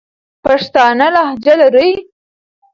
پښتانه لهجه لري.